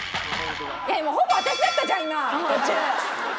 いやもうほぼ私だったじゃん今途中！